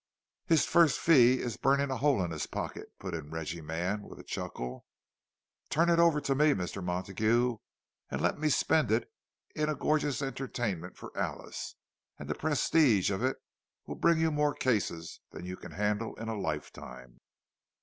"His first fee is burning a hole in his pocket!" put in Reggie Mann, with a chuckle. "Turn it over to me, Mr. Montague; and let me spend it in a gorgeous entertainment for Alice; and the prestige of it will bring you more cases than you can handle in a lifetime!"